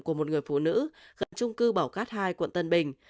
của một người phụ nữ gần trung cư bảo cát hai quận tân bình